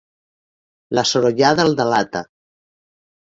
La sorollada el delata.